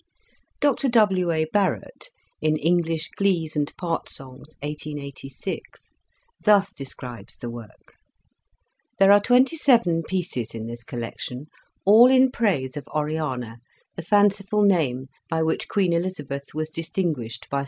Dr W. A. Barrett in "English Glees and Part songs," 1886, thus describes the work: '' There are twenty seven pieces in this collection all in praise of Oriana, the fanciful name by which Queen Elizabeth was distinguished by 24 Introduction.